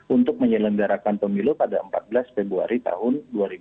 untuk menyelenggarakan pemilu pada empat belas februari tahun dua ribu dua puluh